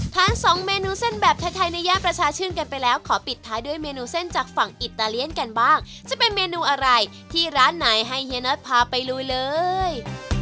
สองเมนูเส้นแบบไทยในย่านประชาชื่นกันไปแล้วขอปิดท้ายด้วยเมนูเส้นจากฝั่งอิตาเลียนกันบ้างจะเป็นเมนูอะไรที่ร้านไหนให้เฮียน็อตพาไปลุยเลย